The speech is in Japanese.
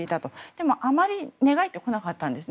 でもあまり寝返ってこなかったんです。